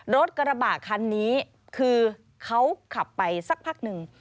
รถกระบะคันนี้คือเขาขับไปสักพักหนึ่ง